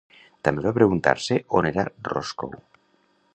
També va preguntar-se on era Roscoe.